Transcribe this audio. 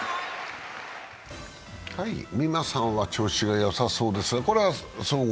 美誠さんは調子がよさそうですね。